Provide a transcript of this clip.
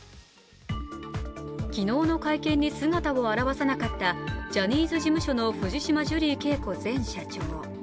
昨日の会見に姿を現さなかったジャニーズ事務所の藤島ジュリー景子前社長。